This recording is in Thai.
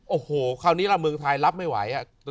โอ้โหคราวนี้ล่ะเมืองไทยรับไม่ไหว